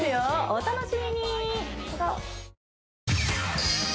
お楽しみに！